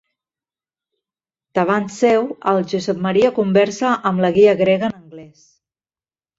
Davant seu el Josep Maria conversa amb la guia grega en anglès.